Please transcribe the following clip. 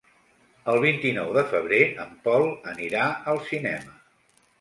El vint-i-nou de febrer en Pol anirà al cinema.